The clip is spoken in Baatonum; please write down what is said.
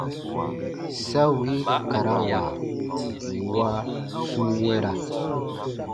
Sa wii karawa nwa su wɛ̃ra.